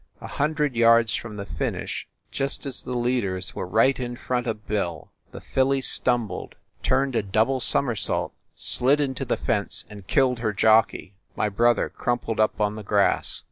A hundred yards from the finish, just as the lead ers were right in front of Bill, the filly stumbled, turned a double somersault, slid into the fence and killed her jockey. My brother crumpled up on the grass.